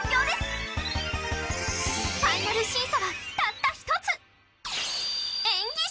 ファイナル審査はたった１つ。